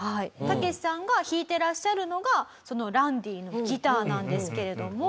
タケシさんが弾いていらっしゃるのがそのランディのギターなんですけれども。